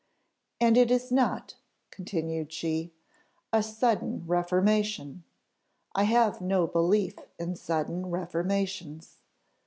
"And it is not," continued she, "a sudden reformation; I have no belief in sudden reformations.